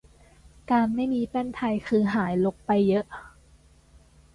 การไม่มีแป้นไทยคือหายรกไปเยอะ